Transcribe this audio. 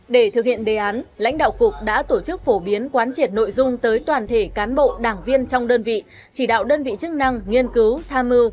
để thực hiện đề án lãnh đạo cục đã tổ chức phổ biến quán triển nội dung tới toàn thể cán bộ đảng viên trong đơn vị chỉ đạo đơn vị chức năng nghiên cứu tham mưu